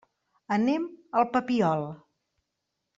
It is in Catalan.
Anem al Papiol.